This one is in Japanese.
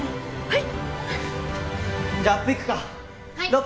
はい！